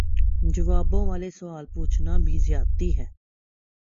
جوابوں والے سوال پوچھنا بھی زیادتی ہے